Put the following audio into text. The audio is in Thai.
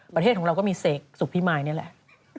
ประเทศของเราก็มีเสกสุขพิมายนี่แหละ